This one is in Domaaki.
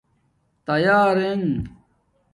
تیارنگ